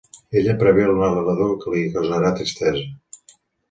Ella prevé el narrador que li causarà tristesa.